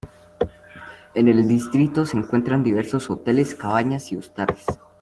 En el distrito se encuentran diversos hoteles, cabañas y hostales.